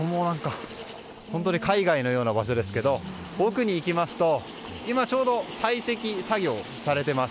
海外のような場所ですが奥に行きますと今ちょうど採石作業をされています。